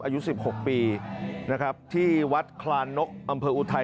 อายุ๑๖ปีนะครับที่วัดคลานนกอำเภออุทัย